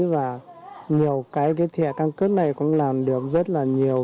và nhiều cái cái thẻ căn cức này cũng làm được rất là nhiều